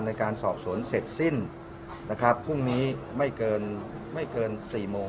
ในการสอบสวนเสร็จสิ้นนะครับพรุ่งนี้ไม่เกินไม่เกิน๔โมง